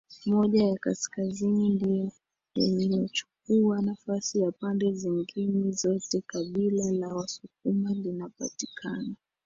moja ya Kaskazini ndio lililochukua nafasi ya pande zingine zoteKabila la wasukuma linapatikana